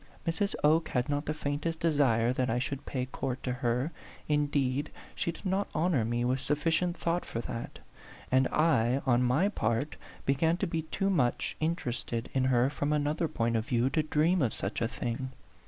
Mrs. Oke had not the faintest desire that I should pay court to her, indeed she did not honor me with sufficient thought for that; and I, on my part, began to be too much interested in her from another point of view to dream of such a thing.